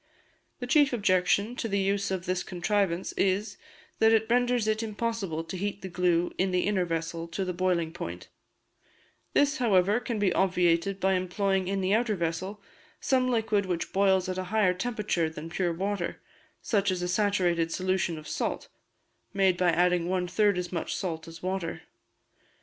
The chief objection to the use of this contrivance is, that it renders it impossible to heat the glue in the inner vessel to the boiling point; this, however, can be obviated by employing in the outer vessel some liquid which boils at a higher temperature than pure water, such as a saturated solution of salt (made by adding one third as much salt as water).